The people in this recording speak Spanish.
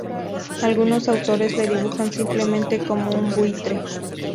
Algunos autores le dibujan simplemente como un buitre.